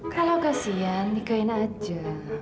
kalau kasian nikahin aja